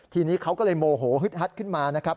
ทีนี้เขาก็เลยโมโหฮึดฮัดขึ้นมานะครับ